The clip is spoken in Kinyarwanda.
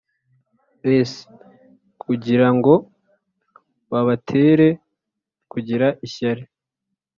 S kugira ngo babatere kugira ishyari